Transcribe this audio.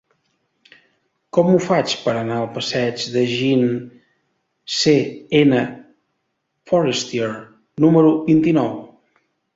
Com ho faig per anar al passeig de Jean C. N. Forestier número vint-i-nou?